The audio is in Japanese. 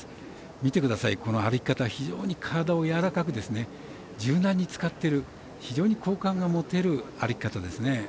見てください、歩き方非常に体をやわらかく柔軟を使って、非常に好感が持てる歩き方ですね。